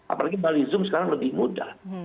apalagi bali zoom sekarang lebih mudah